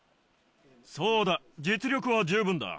そうだ実力は十分だ。